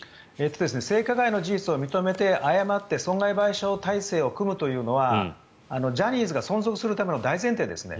性加害の事実を認めて謝って、損害賠償体制を組むというのはジャニーズが存続するための大前提ですね。